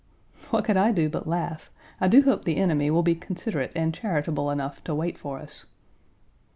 What could I do but laugh? I do hope the enemy will be considerate and charitable enough to wait for us.